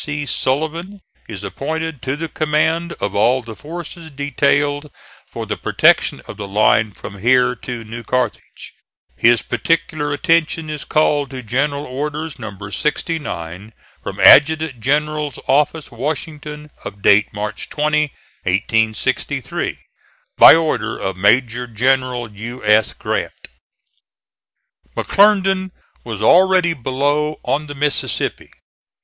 C. Sullivan is appointed to the command of all the forces detailed for the protection of the line from here to New Carthage. His particular attention is called to General Orders, No. 69, from Adjutant General's Office, Washington, of date March 20, 1863. By order of MAJOR GENERAL U. S. GRANT. McClernand was already below on the Mississippi.